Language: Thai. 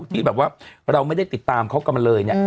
ที่แบบว่าเราไม่ได้ติดตามเขากันมาเลยเนี่ย